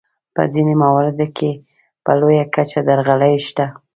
په ځینو مواردو کې په لویه کچه درغلۍ شته.